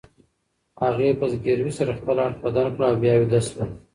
هغې په زګیروي سره خپل اړخ بدل کړ او بیا ویده شوه.